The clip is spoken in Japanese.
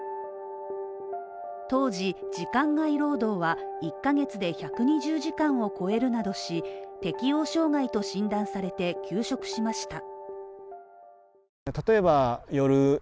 当時、時間外労働は１カ月で１２０時間を超えるなどし適応障害と診断されて休職しました。